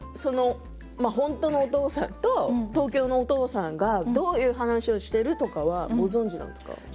本当のお父さんと東京のお父さんがどういう話をしているということはご存じなんですか？